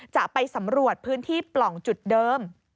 จะไปสำรวจพื้นที่ปล่องจุดเดิม